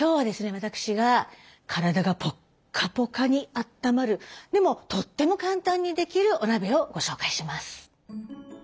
私が体がポッカポカにあったまるでもとっても簡単にできるお鍋をご紹介します。